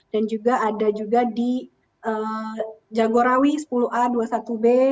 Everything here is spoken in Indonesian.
dan juga ada juga di jagorawi sepuluh a dua puluh satu b